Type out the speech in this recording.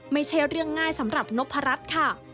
ไม่ใช่เรื่องง่ายสำหรับนพรัชค่ะ